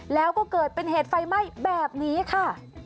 แล้วก็เกิดเป็นเหตุไฟไหม้แบบนี้ค่ะ